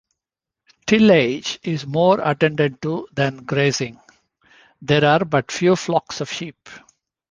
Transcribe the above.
Tillage is more attended to than grazing: there are but few flocks of sheep.